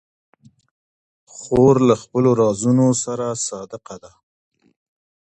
خور له خپلو رازونو سره صادقه ده.